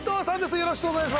よろしくお願いします。